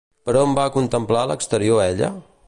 Per on va contemplar l'exterior ella?